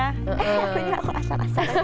eh aku ini aku asal asalnya